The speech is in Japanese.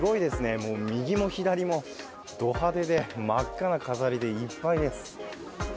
もう右も左も、ど派手で真っ赤な飾りでいっぱいです。